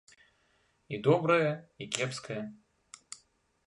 І добрае, і кепскае.